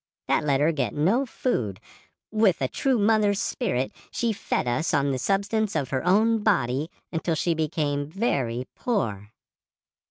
That let her get no food. With a true mother's spirit she fed us on the substance of her own body until she became very poor."